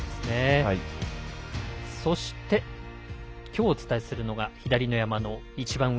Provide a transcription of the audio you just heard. そしてきょうお伝えするのが左の山の一番上。